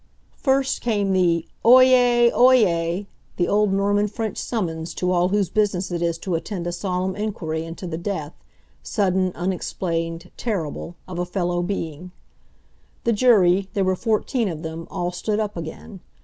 First came the "Oyez! Oyez!" the old Norman French summons to all whose business it is to attend a solemn inquiry into the death—sudden, unexplained, terrible—of a fellow being. The jury—there were fourteen of them—all stood up again.